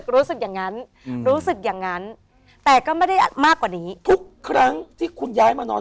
รู้สึกอย่างนั้นรู้สึกอย่างนั้นแต่ก็ไม่ได้มากกว่านี้ทุกครั้งที่คุณย้ายมานอน